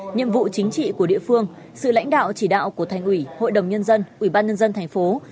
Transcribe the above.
nhiệm vụ chính trị của địa phương sự lãnh đạo chỉ đạo của thành ủy hội đồng nhân dân ubnd tp hcm